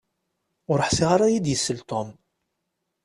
Ur ḥsiɣ ara ad iyi-d-isel Tom